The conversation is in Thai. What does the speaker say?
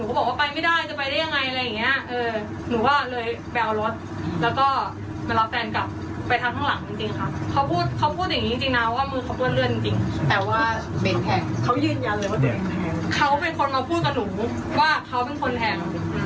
แปลว่าเขาเป็นแพง